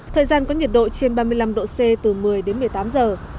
thời gian có nhiệt độ trên ba mươi năm độ c từ một mươi đến một mươi tám giờ